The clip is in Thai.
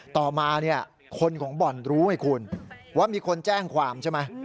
ต่อมาเนี่ยคนของบ่อนรู้ไหมคุณว่ามีคนแจ้งความใช่ไหม